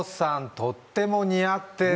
とっても似合ってる！